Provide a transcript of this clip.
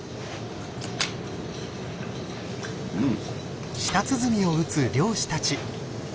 うん。